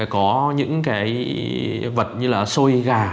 có những cái vật như là xôi gà